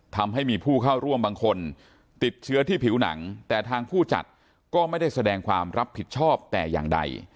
ทำให้มีผู้เข้าร่วมบางคนติดเชื้อที่ผิวหนังแต่ทางผู้จัดก็ไม่ได้แสดงความรับผิดชอบแต่อย่างใด